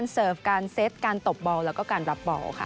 สวัสดีครับ